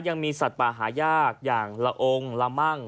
ยังมีสัตว์ป่าหายากอย่างละองค์ละมั่ง